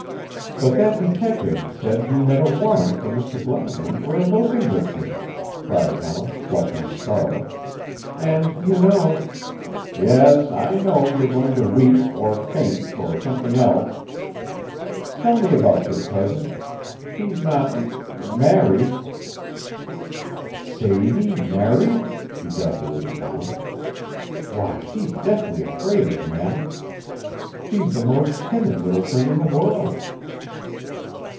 "But that detective said he had a warrant for Mr. Gladwin for eloping with me," cried Helen, blushing scarlet. "And, you know" "Yes, I know you're going to weep or faint or something else. Tell me about your cousin she's not m m married?" "Sadie married!" ejaculated Helen. "Why, she's deathly afraid of men. She's the most timid little thing in the world."